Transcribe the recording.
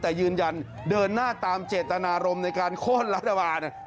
แต่ยืนยันเดินหน้าตามเจตนารมณ์ในการโค้นรัฐบาล